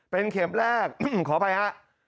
เป็นเข็มแรกขออภัยฮะ